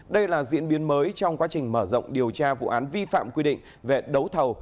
đây là diễn biến mới trong quá trình mở rộng điều tra vụ án vi phạm quy định về đấu thầu